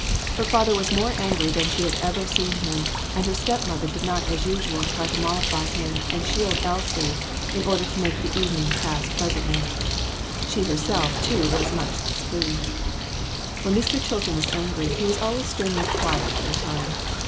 Her father was more angry than she had ever seen him, and her stepmother did not as usual try to mollify him, and shield Elsie, in order to make the evening pass pleas antly ; she was herself too much displeased. When Mr. Chilton was angry he was always sternly quiet for a time.